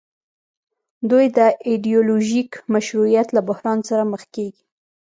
دوی د ایډیولوژیک مشروعیت له بحران سره مخ کیږي.